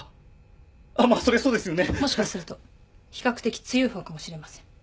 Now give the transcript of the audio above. もしかすると比較的強い方かもしれません。